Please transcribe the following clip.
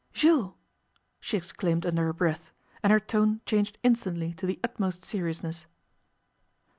'Jules!' she exclaimed under her breath, and her tone changed instantly to the utmost seriousness.